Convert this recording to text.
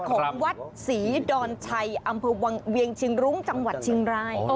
ของวัดศรีดอนชัยอำเภอเวียงเชียงรุ้งจังหวัดเชียงราย